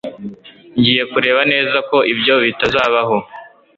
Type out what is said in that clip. Ngiye kureba neza ko ibyo bitazabaho